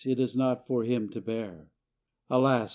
It was not for him to bear. Alas!